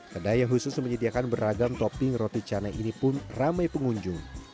kedai yang khusus menyediakan beragam topping roti canai ini pun ramai pengunjung